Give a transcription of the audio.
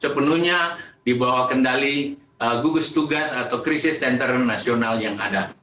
sepenuhnya dibawah kendali gugus tugas atau krisis center nasional yang ada